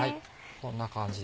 こんな感じで。